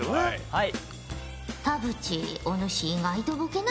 はい。